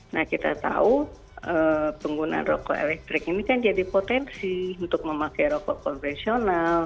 nah kita tahu penggunaan rokok elektrik ini kan jadi potensi untuk memakai rokok konvensional